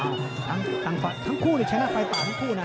เอาขวดทั้งขวดทั้งคู่เนี่ยจะหน้าไฟตาทั้งคู่น่ะ